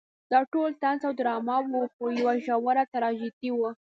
دا ټول طنز او ډرامه وه خو یوه ژوره تراژیدي وه.